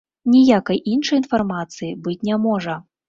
Ніякай іншай інфармацыі быць не можа.